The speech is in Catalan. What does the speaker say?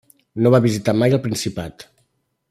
No va visitar mai el Principat.